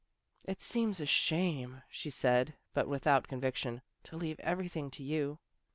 " It seems a shame," she said, but without conviction, " to leave everything to you."